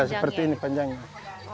iya seperti ini panjangnya